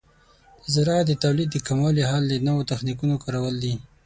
د زراعت د تولید د کموالي حل د نوو تخنیکونو کارول دي.